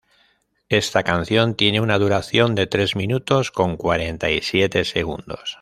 Esta canción tiene una duración de tres minutos con cuarenta y siete segundos.